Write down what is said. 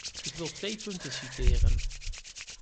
Ik wil twee punten citeren.